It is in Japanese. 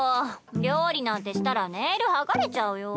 料理なんてしたらネイルがれちゃうよ。